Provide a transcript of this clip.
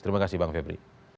terima kasih bung febri